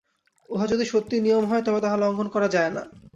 যদি উহা সত্যই নিয়ম হয়, তবে তাহা লঙ্ঘন করা যায় না।